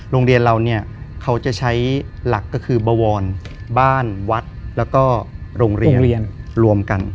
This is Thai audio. โรงเรียนเราเนี่ยเขาจะใช้หลักก็คือบวรบ้านวัดแล้วก็โรงเรียนรวมกัน